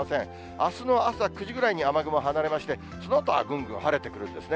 あすの朝９時ぐらいに雨雲離れまして、そのあとはぐんぐん晴れてくるんですね。